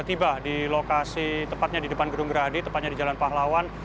tiba di lokasi tepatnya di depan gedung gerahadi tepatnya di jalan pahlawan